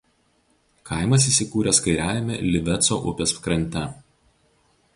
Kaimas įsikūręs kairiajame Liveco upės krante.